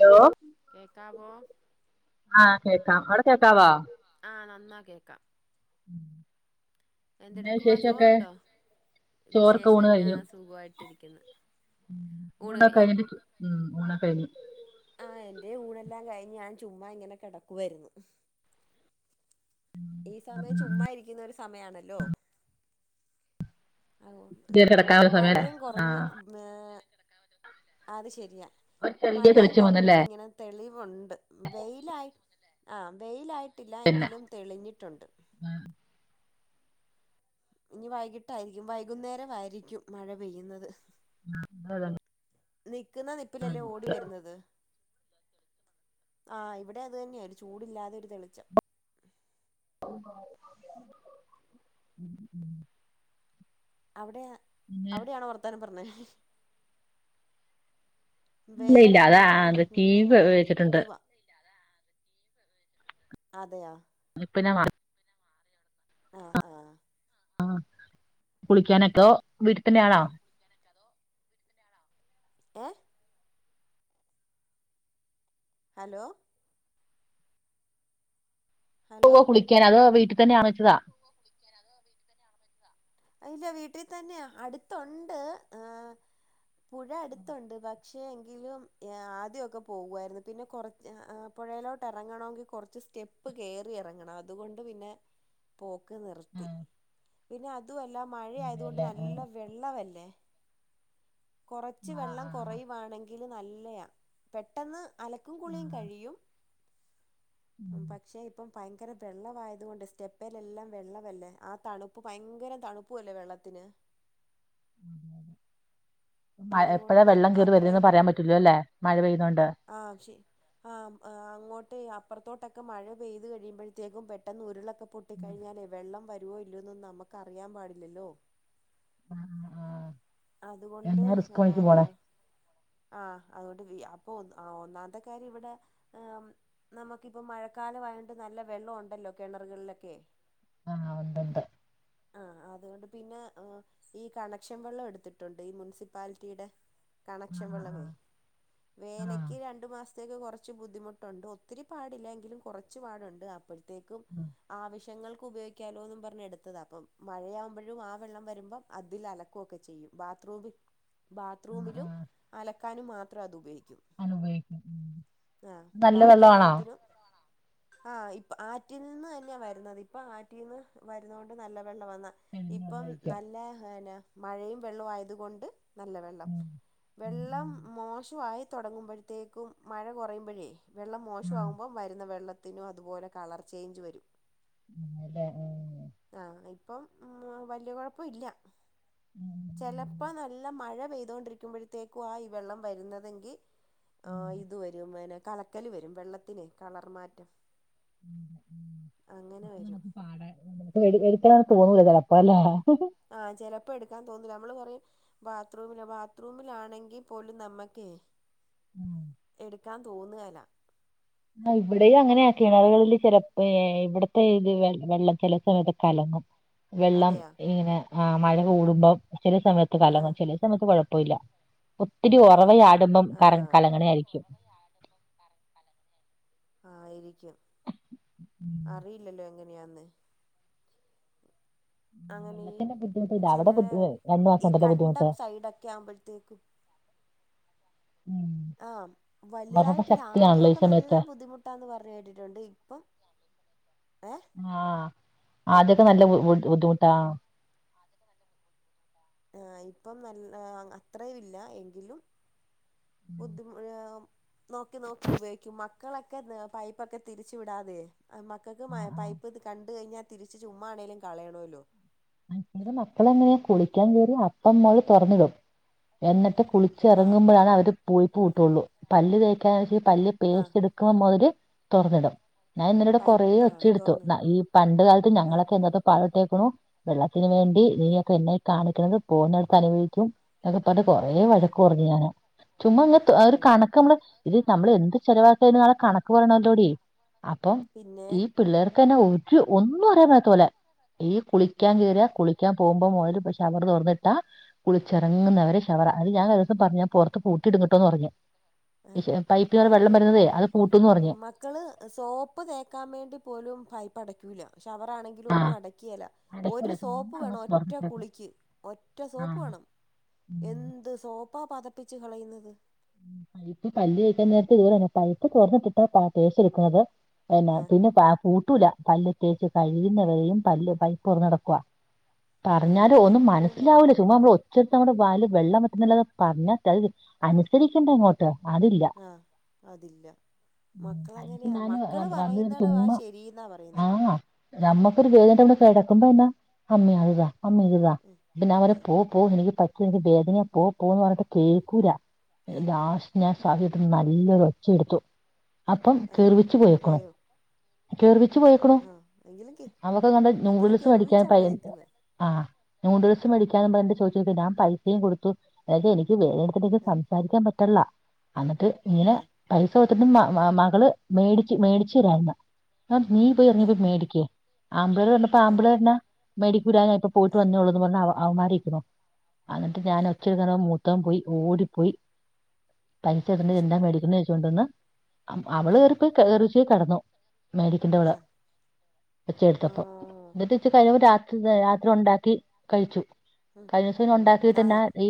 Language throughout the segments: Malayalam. ഹലോ കേക്കാ മോ ആഹ് കേക്കാം അവിടെ കേക്കാവാ ആഹ നന്നാ കേക്കാം. ഉം എന്തെടുക്കുവാ? ചോറുണ്ടോ? ചോറൊക്കെ വിശേഷം എന്നാ സുഖമായിട്ടിരിക്കുന്നു. ഉ ഊണ് കഴിഞ്ഞോ ഓണക്കഴിഞ്ഞിട്ട ഉ ഊണ കഴിഞ്ഞു ആഹ് എൻ്റെ ഊണ് എല്ലാം കഴിഞ്ഞ് ഞാൻ ചുമ് ഇങ്ങനെ കിടക്കുവായിരുന്നു. ഹും ഈ സമയം ചുമ്മാ ഇരിക്കുന്ന ഒരു സമയണല്ലോ. ഇതേ കിടക്കാനുള്ള സമയല്ലേ മഴയും കുറഞ്ഞ് ആഹ് അത് ശരിയാ ഒരു ചെറിയ മഴയും തെളിച്ചു പോന്നല്ലേ കുറഞ്ഞിട്ട് ഇങ്ങനെ തെളിവുണ്ട് വെയിലായി് ആ വെയിലായിട്ട്. ട്ടില്ല എങ്കിലും തെളിഞ്ഞിട്ടുണ്ട്. ഉം ഇനി വൈകിട്ടായിരിക്കും വൈകുന്നേരം ആയിരിക്കും മഴ പെയ്യുന്നത്. ആഹ അതെതന്നെ നിക്കുന്ന നിപ്പിലല്ലേ ഓടി വരുന്നത്. ആ ഇവിടെ അത് തന്നെയാണ് ഒരു ചൂടില്ലാതെ ഒരു തെളിച്ചം. ഉം ഉം അവിടെ പിന്നെ അവിടെയാണോ വർത്താന പറഞ്ഞ ഇല്ല ഇല്ല അതാ വേറെെന്നാ അത് ടി ഇങ്ങനെ വി വെച്ചിട്ടുണ്ട് ഇരിക്കവാ അതെയ പിന്നെ ആഹ ആഹ കുളിക്കാനൊക്കോ വീട്ട തന്ന ആണോ ഏഹ ഹലോ പോവോ കുളിക്കാൻ അതൊ വീട്ടിൽ തന്നെ അണൊയിച്ചതാ കുളിക്കാ അതോ വീട്ട ഇല്ല വീട്ടിൽ തന്നെ അടുത്തുണ്ട് ഏഹ് പുഴ അടുത്തുണ്ട് പക്ഷെ എങ്കിലും ആദ്യൊക്കെ പോവുവായിരുന്നു പിന്നെ കുറ പുഴയിലോട്ട് ഇറങ്ങണമെങ്കിൽ കുറച്ച് സ്റ്റെപ്പ് കയറി ഇറങ്ങണം അതുകൊണ്ട് പിന്നെ പോക്ക് നിർത്തി ആഹ് പിന്നെ അതുമല്ല മഴ ആയതുകൊണ്ട് അതെല്ലേ നല്ല ആഹ് വെള്ളമല്ലേ കുറച്ച് ആഹ് വെള്ളം ആഹ് കുറയുവാണെങ്കിൽ നല്ലയാ പെട്ടെന്ന് അലക്കും കുളിയും ആഹ് കഴിയും. ഉം പക്ഷെ ഇപ്പം ഭയങ്കര വെള്ളായത് കൊണ്ട് സ്റ്റെപ്പലെല്ലാം വെള്ളമല്ലേ ആ തണുപ്പ് ഇപ്പോ ഭയങ്കര തണുപ്പുവല്ലേ വെള്ളത്തിന്. എപ്പോഴാ അതുകൊണ്ട് വെള്ളം കേറി അത്രേം വരുന്നെന്ന് പറയാൻ പറ്റൂല അല്ലേ മഴ പെയ്യുന്നൊണ്ട്. ആഹ് ശരി. ആഹ് അങ്ങോട്ട് അപ്പറത്തോട്ടൊക്കെ മഴ പെയ്ത് കഴിയുമ്പഴത്തേക്കും പെട്ടെന്ന് ഉരുളൊ ഒക്കെ ഉം പൊട്ടിക്കഴിഞ്ഞാലേ വെള്ളം വരുവോ ഇല്ലോന്നും നമുക്ക് അറിയാൻ പാടില്ലല്ലോ ആഹ് ആഹ് അതുകൊണ്ട് എന്നാ റിസ്ക് പണിക്ക് പോണേ ആനാ ആഹ് അതോണ്ട് വി അപ്പൊ ഒന്ന് ആ ഒന്നാമത്തെക്കര്യം ഇവിടെ ആ- നമക്കിപ്പം മഴക്കാലവായട്ട് നല്ല വെള്ളം ഉണ്ടല്ലോ കെണർകളിലൊക്കെ. ആഹ് ഉണ്ട്ണ്ട്. ആഹ് അതുകൊണ്ട് പിന്നെ ഈ കണക്ഷൻ വെള്ളം എടുത്തിട്ടുണ്ട് ഈ മുനിസിപ്- പാൽറ്റീടെ കണക്ഷൻ ആഹ് വെള്ളവേ ആഹ് ആഹ് വേനക്ക് രണ്ട് മാസ്- ത്തേക്ക് കൊർച്ച് ബുദ്ധിമുട്ടുണ്ട് ഒത്തിരി പാടില്ല എങ്കിലും കുറച്ചു പാടുണ്ട് അപ്പോഴത്തേക്കും. ഉം ആവശ്യങ്ങൾക്ക് ഉപയോഗിക്കാലോന്നും പറഞ്ഞ് എടുത്തതാ അപ്പം മഴയാവുമ്പഴും ആ വെള്ളം വരുമ്പം അതിൽ അലക്കൊക്കെ ചെയ്യും. ബാത്ത്റൂമിൽ ആഹ് ബാത്റൂമിലും ആഹ് അലക്കാനും മാത്രാ അതു ഉപയോഗിക്കും. അങ്ങനെ ഉപയോഗിക്കും ഉം ആഹ് നല്ല ബാക്കി വെള്ളമാണോ എല്ലാത്തിനും. ആഹ് ഇപ്പ ആറ്റിൽ നിന്ന് തന്ന്യാ വരുന്നത് ഇപ്പൊ ആറ്റിന്ന് വരുന്നോ ണ്ട് നല്ല വെള്ളം വന്നാ. തെളിഞ്ഞ ഇപ്പം വെള്ളായിരിക്കും നല്ല എന്ന മഴയും വെള്ളവും ആയത് കൊണ്ട്. നല്ല വെള്ളം. ഉം വെള്ളം ഉം മോശവായി തൊടങ്ങുമ്പഴത്തേക്കും മഴ കൊറയുമ്പഴേ. വെള്ളം ആഹ് മോശവാവുമ്പം വരുന്ന വെള്ളത്തിനും അതുപോലെ കളർ ചെയ്ഞ്ച് വരും. അല്ലേ ഉം. ആഹ് ഇപ്പം വല്ല്യ കൊഴപ്പം ഇല്ല ഉം ചലപ്പോ ഉം, മഴ പെയ്തൊണ്ടിരിക്കുമ്പഴത്തേക്കും ആ ഈ വെള്ളം വരുന്നതെങ്കി ആ ഉം, ഇത് വരും വന്നെ കല കല് വരും വെള്ളത്തിനെ കളർമാറ്റം. ഉം. വരും [unintelligible] എടു എടുക്കളാന്ന് തോന്നുല്ല [unintelligible] പ്പാല്ലേ. ആഹ് ചെലപ്പോ എടുക്കാ തോന്നൂല നമ്മള് പറിം. ബാത്റൂമിലൊ ബാത്റൂമിലാണെങ്കി പോലും നമ്മക്കെ. എട്ക്കാ തോന്നുകേല. ആ ഇവിടെയും അങ്ങനെയാകീണ് [unintelligible] ചിര ഏ ഇവടത്തെ ഇത് വെ വെള്ളം ചെല സമയത്ത് കലങ്ങും. വെള്ളം അതെയാ ഇങ്ങനെ ആ മഴ കൂടുമ്പം ചില സമയത്ത് ആ കാലങ്ങും ചില- സമയത്ത് കൊഴപ്പവില്ല ഒത്തിരി ആ ഒറവയിടുമ്പം കറ കലങ്ങണയായിരിക്ക്യും. [unintelligible] കറ. ആയിരിക്കും അറിയില്ലല്ലോ എങ്ങനെയാന്ന്. അങ്ങനീ വെള്ളത്തിന്റെ ബുദ്ധിമുട്ട് ഇല്ല അവിടെ ചെലേ ബുദ്ധി രണ്ടു മാസം ഈ ഉണ്ടല്ലോ കണ്ടം ബുദ്ധിമുട്ട് സൈഡൊക്കെ ആവുമ്പോഴത്തേക്കും. ആഹ് ഉറവ വലുതായിട്ടില്ല ശക്തിയാണല്ലോ ഈ ആദ്യക്കെ സമയത്ത് നല്ല ബുദ്ധിമുട്ട്- ട്ടാന്ന് പറഞ്ഞു കേട്ടിട്ടുണ്ട് ഇപ്പം ഏഹ്. ആഹ് ആദ്യൊക്കെ നല്ല ബു ബുദ്ധിമുട്ടാ. ആഹ് ഇപ്പം നല്ല അത്രേംയുല്ല എങ്കിലും. ബുദ്ധിമു ഒര്. നോക്കി നോക്കി ഉപയോഗിക്കും. മക്കളൊക്കെ ന്ന് പൈപ്പൊക്കെ തിരിച്ചു വിടാതെ അ മക് ക്കക്ക് മയ ആഹ് പൈപ്പ്ത് കണ്ട് കൈഞാ തിരിച്ച് ചുമ്മാണേലും കളയണോല്ലോ. അന്നേരം മക്കളങ്ങനെ കുളിക്ക്യാൻ കേറി അപ്പമ്മോള് തൊറന്നിടും എന്നിട്ട് കുള ആഹ് ച്ചെറങ്ങുമ്പഴാണ് അവര് പോയി ക പൂട്ടുള്ളൂ. പല്ല് തേക്കാന്ന് ച്ചൽ പല്ല് ആഹ് പേസ്റ്റെടു- കമവര് തൊർന്നിടും. ഞാ ഇന്നലെടെ കൊറേ പൈപ്പ് ആഹ് ഒച്ചയെടുത്തു. തുറന്ന് ന്ന ഈ പണ്ട് കാൽത്ത് ആഹ് ഞങ്ങളൊക്കെ എന്താ പാ ഇട്ടേക്കണു. വെള്ളത്തിന് വേണ്ടി ആഹ് നീയൊക്കെ എന്നെ കാണിക്കണത് പോകുന്ന ട്ത്ത് അനുഭവിക്കും. അത്പ്പണ്ട് കൊറെേ വഴക് ആഹ് പർഞ് ഞാന്. ചുമ്മാ ങ്ങ് ആഹ് തു ഒരു ഉം കണക്കമ്മള് ഇത് നമ്മള് എന്ത് ചെലവാക്യന് നളെ കണക്ക് പറയണല്ലോ ടീ. അപ്പം പിന്നെ ഈ. പിള്ളേർക്കെന്നെ ഒരു ഒന്നും അറിയൻ പത്ത പോലെ ഈ കുളിക്കാൻ ആഹ് കേറിയ കുളി- ക്കാൻ പോവുമ്പോ മോൽ ഷവർ തൊർന്നിട്ടാ കുളിച്ചിറങ്ങുന്നവരെ ശവറ. അത് ഞ [unintelligible] പറഞ്ഞ പൊർത്ത് പൂട്ടി ഇടുങ്ങട്ടോന്ന് പർഞു. ഇശ് അ പൈപ്പി വെള്ളം വരുന്നതേ അത് പൂട്ടുന്ന് പറഞ്ഞു. ക്കള് സോപ്പ് തേക്കാവേണ്ടി പോലും പൈപ്പടക്കൂല്ല ശവറാണെങ്ക- ങ്കിലൊന്നും അടക്കിയേല ഒരു അടയ്ക്കൂല സോപ്പ് ചുമ്മാ അങ്ങ് വേണം ഒറ്റ തുറന്നിട്ടേക്കും കുളിക്ക് ഒറ്റ ആ സോപ്പ് വേണം. എന്ത് സോപ്പാ പതപ്പിച്ച് കളയുന്നത്. ഇപ്പ പല്ലേക്കാൻ നേരത്തിതുപോലെന്നെ പൈപ്പ് തൊറന്നിട്ടിട്ടാ പാ പേസ് എടുക്കുന്നത് പിന്നെ ആ പിന്നെ പാ പൂട്ടൂല പല്ല് തേച്ച് കഴിയുന്നവരെയും പല്ല് പൈപ്പൊറന്നെടക്കുവ ആ പറഞ്ഞാല് ഇതാ ഒന്നും ഏറ്റവും പാട് മനസ്സിലാവൂല്ലേ ചുമ്മാ നമ്മ ഒച്ചെടുത്തമ്മടെ വായില് വെള്ളം വറ്റുന്നല്ലാത പറഞ്ഞാ ത അനുസരിക്കേണ്ടങ്ങോട്ട് ട്ട് അതില്ല ആഹ് അതില്ല പൈസ മക്കളങ്ങനെയാ ഞാന് മക്കള് വന്ന് ഒരു പറയുന്നെടവാ ചുമ്മാ ശരീന്നാ പറയുന്നെ ആ നമ്മക്കൊരു വേദട്ട് കെടക്കുമ്പോ എന്നാ അമ്മേ അത് താ അമ്മേ ഇത് താ ഉം പിന്ന അവരെ ആ പോ പോ എനിക്ക് പറ്റുല എനിക്ക് വേദനയാ പോ പോന്ന് പറഞ്ഞിട്ട് കേക്കൂലാ ആ ലാസ്റ്റ് ഞാൻ സഹിയെട്ട് നല്ലൊരു ഒച്ച എടുത്തു അപ്പം ആ കെറിവിച്ച് അപ്പൊ പോയേക്കണു പോയോ കെർവിച്ചു പോയേക്ക്ണു ആ എങ്കിലും കേ അവക്കെങ്ങാണ്ട് എങ്കിലും നൂഡിൽസ് മേടിക്കാൻ കെറുവിച്ചാ പയ പോയേക്കുന്നെ ആഹ് നൂഡിൽസ് മേടിക്കാന്ന് പറട്ട് ചോദിച്ചിട്ട് ഞാൻ പൈസേം കൊടുത്തു ഏതെനിക്ക് വേ ത്തിട്ടെക്ക് ആ സംസാരിക്കാൻ പറ്റണില്ല അന്നിട്ട് ഇങ്ങനെ ആ പൈസ കൊത്തിട്ട് മ മ മകള് മേടിച്ച് മേടിച്ചെരാൻ നീ പോയി ആ എറങ്ങിപ്പോയി മേടിക്ക് ആമ്പിള്ളാ പറഞ്ഞപ്പോ ആ ആമ്പിളാ പറഞ്ഞ മേടിക്കൂല ഞായിപ്പോ പോയിട്ട് ആ വന്നോളൂ ന്ന്പറഞ്ഞവ അവമാരിക്കുണു അന്നിട്ട് ഞാൻ ആ ഒച്ചെട്ക്കാരം മൂത്തവം പോയി ഓടിപ്പോയി പയിസ എടുത്തോണ്ട് മേടിച്ചു എന്താ മേടിക്കുന്ന ചോയ്ച്ചോണ്ടിന്ന് അവള് ആ കേറിപ്പോയി കെറച്ചോയി കെടന്നു മേടിക്കണ്ടിവിടെ ആ ഓ ഒച്ചെടുത്തപ്പൊ ന്നിട്ട് ഇച്ച് കഴിഞ്ഞ്പ രാത്രി രാത്രി ഒണ്ടാക്കി കഴിച്ചു ഉം കഴിഞ്ഞ സം ഉം ആ ഉണ്ടാക്കിട്ട്ന്നാ ഈ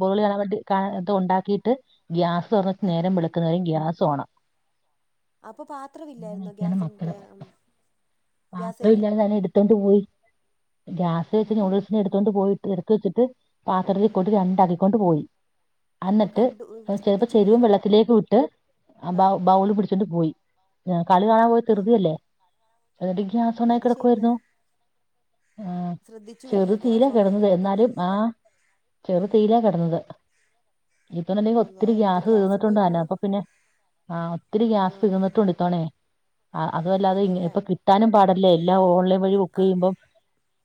ബോളി കാണാൻ വേണ്ടി കാണ ഇതൊണ്ടാക്കീട്ട് ഗ്യാസൊറന്നിട്ട് ആ നേരം വെളക്കുന്നവരെം ഗ്യാസോണാ അപ്പൊ പാത്രവില്ലായിരുന്നോ ഗ്യാസിന്റെ ഉം ഗ്യാസേല് പാത്രവില്ലാര്ന്ന് അയ്ലെടുത്തോണ്ട് പോയി ഗ്യാസെ ച്ച് അപ്പം നൂഡിൽസ് എടുത്ത് ത്തോണ്ട് പോയിട്ട് എടുത്ത് വച്ചിട്ട് ആ പാത്രത്തിൽക്കോട്ട് രണ്ടാക്കിക്കൊണ്ട് പോയി അപ്പൊ അന്നിട്ട് കണ്ടു ചെലപ്പം ശ്രദ്ധിച്ചുല്ല ചെരുവം വെള്ളത്തിലേക്കുവിട്ട് ആ അപ്പം ബൗള് പിടിച്ചോണ്ട് പോയി കളി കാണാൻ പോയ ആ തിറുതിയല്ലേ [unintelligible] ന്ന്ട്ട് ഗ്യാസോണായി അത് ശരിയാ കിടക്കുവാരുന്നു ആഹ് ശ്രദ്ധിച്ചുല്ല ചെറുതീലാ ഗ്യാസ് ഓണായി കെടന്നത് കിടക്കുന്നു എന്നാലും ആഹ് ചെറു തീലാ കെടന്നത് ഇപ്പൊന്നല്ലെങ്കി അള്ളോ ഒത്തിരി എന്ത് ഗ്യാസ് പോയി തീർന്ന്ട്ടൊണ്ട് കാണും അലാപ്പ പിന്നെ ആഹ് ഒത്തിരി ആ ഗ്യാസ് തിർന്നിട്ടൊണ്ട് ഇത്തവണയേ അതുവല്ലാതെ ഇ അതെല്ലേ ഇപ്പൊ ട്ടാനും പാടില്ലേ എല്ലാം ഓൺലൈൻ വഴി ബുക്ക് ആ ചെയ്യുമ്പം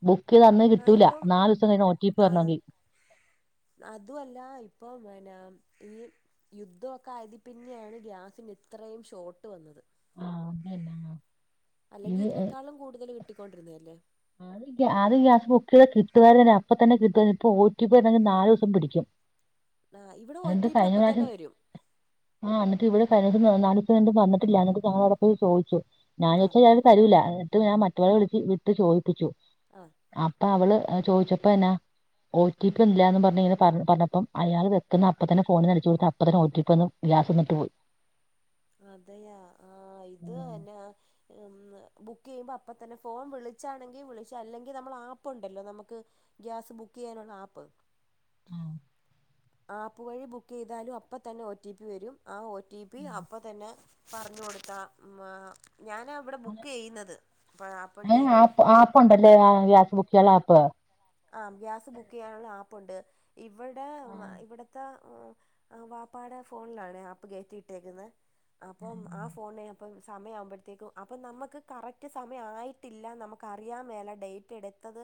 ബുക്ക് ചെയ്ത അന്ന് ആ കിട്ടൂല്ല നാലൂസം കഴിണം ഒ ടി പി വരണോങ്കി അതുവല്ല ഇപ്പൊ ന്നെ ഈ യുദ്ധൊക്കെ ആയതി പിന്നെയാണ് ഗ്യാസിന് ഇത്രയും ഷോർട്ട് വന്നത് ആഹ അതല്ല ആ അല്ലെങ്കി ഇതിനേക്കാളും കൂടുതല് കിട്ടിക്കൊണ്ടിരുന്നയല്ലിയോ അത് അത് ഗ്യാസ് ബുക്ക് ചെയ്താ കിട്ടുവാര്ന്നെടെ അപ്പൊ തന്നെ കിട്ടുവാര്ന്ന് ഇപ്പൊ ഓ ടി പി വന്നാലും നാലുസം പിടിക്കും ആഹ് ഇവിടെ ഒടി പി അപ്പ തന്നെ വരും ആഹ് എന്നിട്ടിവിടെ [unintelligible] നാലൂസം വന്ന്ട്ടില്ല എന്നിട്ട് ഞങ്ങളാടപ്പോയി ചോയ്ച്ച് ആ [unintelligible] തരൂല എന്നിട്ട് ഞാമറ്റവനെ വിളിച്ച് വിട്ട് ചോയിപ്പിച്ചു ആഹ് അപ്പ അവള് ചോയിച്ചപ്പോ എന്നാ ഒ ടി പി ഉം ഇല്ലാന്ന് പറഞ്ഞിനെ പറ പറഞ്ഞപ്പം അയാൾ വെക്ക്ന്നപ്പ തന്നെ ഫോണ്ന്ന് അടിച്ച് കൊടുത്ത് അപ്പ തന്നെ ഒ ടി പി വന്ന് ഗ്യാസും തന്ന്ട്ട് പോയി അതെയാ ആഹ് ഇത് ഉം. ന്നെ ബുക്ക് ചെയ്യുമ്പ അപ്പത്തന്നെ ഫോൺ വിളിച്ചാണെങ്കി വിളിച്ച് അല്ലെങ്കി നമ്മളാപ്പൊണ്ടല്ലോ നമുക്ക് ഗ്യാസ് ബുക്ക് ചെയ്യനൊള്ളാപ്പ് ആ ആപ്പ് വഴി ബുക്ക് ചെയ്താലും അപ്പ തന്നെ ഒ റ്റടി പി വരും ആ ഒ ടി പി അപ്പ തന്നെ പറഞ്ഞു കൊടുത്താ ഞാന അവിടെ അങ്ങനെ ബുക്ക് ചെയ്യുന്നത് അപ്പം അപ്പോഴത്തേക്കും ആപ്പ്ണ്ടല്ലേ ഗ്യാസ് ബുക്കിയുള്ള ആപ്പ് ആ ഗ്യാസ് ബുക്ക് ചെയ്യാനുള്ള ആപ്പ്ണ്ട് ഇവിടെ ആ. ഇവിടെ ഇത്ത വാപ്പാടെ ഫോണിലാണ് ആപ്പ് കയറ്റിയിട്ടേക്കുന്നത് അപ്പം ആ ഫോണ അപ്പം സമയയാവുമ്പോഴത്തേക്കും അപ്പം നമുക്ക് കറക്റ്റ് സമയമായിട്ടില്ല നമുക്കറിയാൻ വേല ഡേറ്റ് എടുത്തത്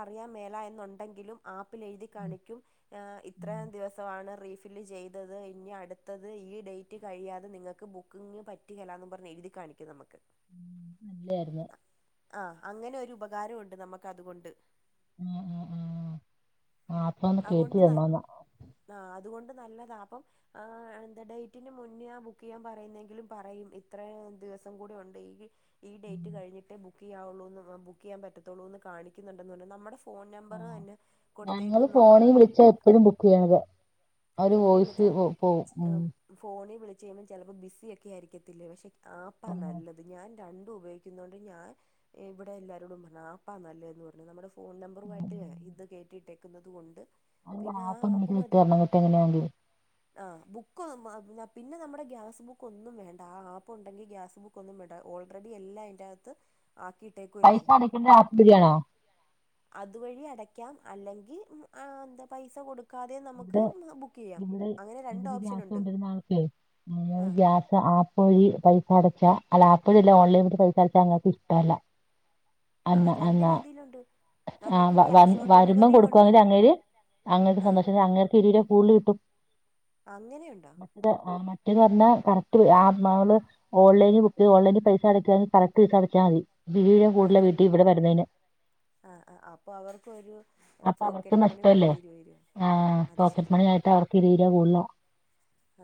അറിയാ മേല എന്നുണ്ടെങ്കിലും ആപ്പിൽ എഴു കാണിക്കും ഇത്രയും ദിവസ റഫ ഫിൽ ചെയ്തത് ഇനി അടുത്തത് ഈ ഡേറ്റ് കഴിയാതെ നിങ്ങൾക്ക് ബുക്കിംഗ പറ്റും പറ്റുകല എന്നന്ന് പറഞ്ഞഞ് എഴുതി കാണിക്കും നമുക്ക് നല്ലായിരുന്നു ആ അങ്ങനെ ഒരു ഉപകാരമുണ്ട് നമുക്ക് അതുകൊണ്ട് എ ഏ ഏ ഏഹ് അതുകൊണ്ട് ന ആ അതുകൊണ്ട് നല്ലതാ അപ്പം ആ എന്താ ഡേറ്റിന് മുന്നേ ആ ബുക്ക് ചെയ്യാൻ പറയുന്നെങ്കിലും പറയും ഇത്ര ദിവസം കൂടി ഉണ്ട് ഈ ഈ ഉം. ഡേറ്റ് കഴിഞ്ഞിട്ട് ബുക്ക് ചെയ്യാവുള്ളൂന്ന് ബുക്ക് ചെയ്യാൻ പറ്റത്തുള്ളൂ എന്ന് കാണിക്കുന്നുണ്ടെന്ന് പറഞ്ഞാൽ നമ്മുടെ ഫോൺ ആ നമ്പറ് എന്നെ ഞങ്ങള് കൊടുത്തേക്കുന്നുണ്ട് ഫോണിൽ വിളിച്ചാ എപ്പഴും ബുക്ക് ചെയ്യണത് അവര് ഫോണ വിളിച്ച വോയിസ് പോവും ഉം ഫോണിൽ വിളിച്ചച്ച് കഴിയുമ്പോം ചിലപ്പോ ബിസി ഒക്കെ ആയിരിക്കത്തില്ലേ പക്ഷെ ആപ്പാ നല്ലത് ഞാൻ രണ്ടും ഉപയോഗിക്കുന്ന കൊണ്ട് ഞാൻ ഇവിടെ എല്ലാരോടും പറഞ്ഞ ആപ്പാ നല്ലതന്ന് പറഞ്ഞു നമ്മുടെ ഫോൺ നമ്പറു ആയിട്ട് ഇത് കേട്ടിട്ടേക്കുന്നത് കൊണ്ട് അല്ല പിന്നെ ആ അപ്പൊ ആപ്പ് നിനക്ക് വിട്ടു മതി തരണം എന്നിട്ട എങ്ങനെയണെങ്കിൽ ആ ബുക്ക് പിന്നെ നമ്മുടെ ഗ്യാസ് ബുക്ക് ഒന്നും വേണ്ട ആ ആപ്പ് ഉണ്ടെങ്കിൽ ഗ്യാസ് ബുക്ക് ഒന്നും വേണ്ട ഓൾറെഡി എല്ലാം അതിറകത്ത് ആക്കിയിട്ടേക്കുംല്ലേ പുതിയെ അപ്പ് വയിയാണോ അതുവഴി അടയ്ക്കാം അല്ലെങ്കിൽ എന്താ പൈസ കൊടുക്ക ക്കാത നമുക്ക് ഇവിടെ ബുക്ക് ചെയ്യാം ഇവിടെ അങ്ങനെ രണ്ട് ഇവിടെ ഓപ്ഷന ഗ്യാസ് ഉണ്ട് കൊണ്ടുവരുന്ന ആൾക്കേ ആ ഞങ്ങള് ഗ്യാസ് ആപ്പ് വഴി പൈസ അടച്ചാ അല്ല ആപ്പ്ഴിയല്ല ഓൺലൈൻ വട്ടി പൈസ അടച്ചാ അങ്ങൾക്ക് ഇഷ്ടമല്ല ആ രണ്ട് രീതിയിലുണ്ട് ആഹ നമുക്ക് വ ക്യാഷ് ഓൺ വരുമ്പം ഡെലിവറിയും ഉണ്ട് കൊടുക്കുവാെങ്കിൽ അങ്ങേര് അങ്ങക്ക് ആ സന്തോശം അങ്ങേക്ക് ഇരുപരെ കൂടുതല് കിട്ടും അങ്ങനെയുണ്ടോ മറ്റേ പറഞ്ഞാൽ കറക്റ്റ് നാള് ഓൺലൈ ഇത്ഓൺൈനി പൈസടക്കാ കറക്റ്റ് പൈസ അടച്ചാൽ മതി വീഴും ആ കൂടുതല ആ വീട്ട ഇവിടെരുന്നതിന് ആ ആ അപ്പൊ അവർക്കരു അപ്പൊ അവർക്ക് പോക്കറ്റ് മണി നഷ്ടമല്ലേ പോലെ ഇരുവ വരുവ ആഹ് അത് പോക്കറ്റ് ശരി മണി ആയിട്ട് അവർക്ക് ഇരുപത് രൂപ കൂടുതലാ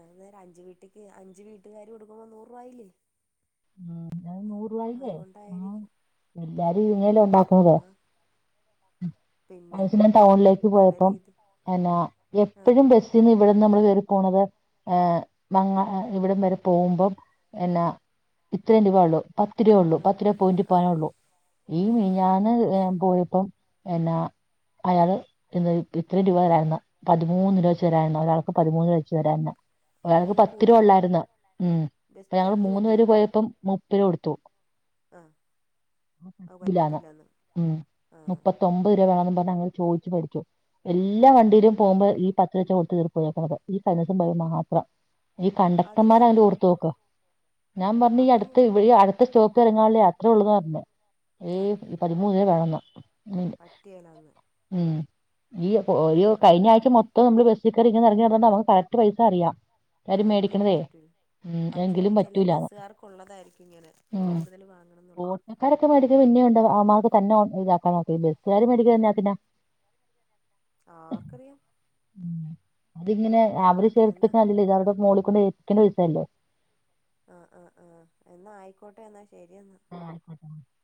ആ്ന്നേം അഞ്ച് വീട്ടക്ക് അഞ്ച് വീട്ടുകാാര് കൊടുക്കുമ്പോ നൂറ് രൂപായില്ലേ ഉം അത് നൂറ് രൂപായില്ലേ ആഹ് അതുകൊണ്ടായിരിക്കും എല്ലാരും ഇങ്ങെല്ല ആ ഉണ്ടാക്കുന്നതോ ആ പിന്നെ ഞാൻ ടൗണിലേക്ക് പല പോയപ്പം രീതി എന്നാ ആഹ് എപ്പഴും ബസ് ന്ന് ഇവിടെന്ന് നമ്മൾ വരെ പോണുന്നത് ഹ് ഇവിടം വരെ പോകുമ്പോം എന്നാ ഇത്രയും രൂപ ഉള്ളൂ പത്ത് രൂപേ ഉള്ളൂ ആഹ് പത്ത് രൂപ പോയിന്റ് ആഹ് പോാനേ ഉള്ളൂ ഈ ആഹ് മ ഞാന് പോയപ്പം എന്നാ അയാള് ഇന്ന് ഇത്ര രൂപ വരരുന്ന പതിമൂന്ന് രച്ച വരായിര ഒരാൾക്ക് പതിമൂന്ന് ലച്ച വരായിരുന്ന ഒരാൾക്ക് അതെന്താ പത്ത് രൂപ കൂട്ടിയോ ഉള്ളായിരുന്ന ഉം ബസ് അപ്പൊ ഞങ്ങ ചാർജ് മൂന്ന് കൂട്ടിയോ പേര് പോയപ്പോം മുപ്പ രൂപ കൊടുത്തു ആഹ് അത് ണ് പറ്റത്തില്ലന്ന് ഉ ആഹ് മുപ്പത്തി മ്പത് രൂപ വേണെന്ന് പറ അെ ചോദിച്ചു പഠിച്ചു എല്ലാ വണ്ടയിലും പോകുമ്പോ പച്ചരച്ച കൊടുത്ത് തീർു ഈ കഴിഞ്ഞിവസം പോയി മാത്രം ഈ കണ്ടക്ടർമാർ അതിന്റെ അതെന്താപ്പം കൊടുത്തു നോക്ക ഞാൻ പറ അപ്പം ഇടെ അടുത്ത സ്റ്റോക്ക് ഇറങ്ങാാനുള്ള യാത്ര ഉള്ള പറഞ്ഞേ ഈ പതിമൂന്നിന് വേണെന്ന പറ്റേലന്ന് ഉം ഈ ഒരു കഴിഞ്ഞ ആഴ്ച മൊത്തം നമ്മള് ബസ്സിക്ക ഇങ്ങുന്ന ഇറങ്ങി നക്ക് കറക്റ്റ് പൈസ അറിയാം ആഹ എല്ലാരും എങ്കിലും മേടിക്കണതേ പറ്റൂ, ഉം പക്ഷെ എങ്കിലും ചില പറ്റൂലാന്ന് ബസ്കാർ ള്ളതായിരിക്കും ഇങ്ങനെ. കൂടുതൽ വാങ്ങണംന്നുള്ളത് [unintelligible] ബസ് കാർ മേടിക്കുന്നത് എന്നതിനാ ആർക്കറിയാം ഉ അതിങ്ങനെ ഉം അവര് എന്നാ ചേർത്ത്ടുക്കല്ലല്ലോ ഇതരുടെ മോള കൊണ്ട് എത്തിണ ദിവസല്ലേ ആഹ് ആഹ് ആഹ് എന്നാ ആയിക്കോട്ടെ എന്നാ ശരി എന്നാ ആഹ്